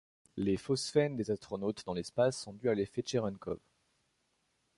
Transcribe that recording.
Les phosphènes des astronautes dans l'espace sont dus à l'effet Tcherenkov.